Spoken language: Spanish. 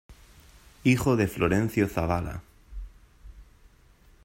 Hijo de Florencio Zavala.